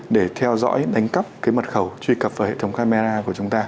để theo dõi đánh cắp cái mật khẩu truy cập vào hệ thống camera của chúng ta